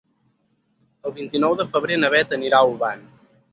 El vint-i-nou de febrer na Beth anirà a Olvan.